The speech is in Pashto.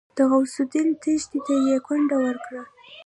د غوث الدين تشي ته يې ګونډه ورکړه.